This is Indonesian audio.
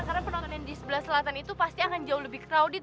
karena penonton yang di sebelah selatan itu pasti akan jauh lebih crowded